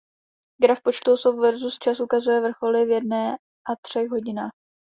Graf počtu osob versus čas ukazuje vrcholy v jedné a třech hodinách.